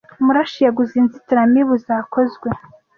Murashyi yaguze inzitiramubu zakozwe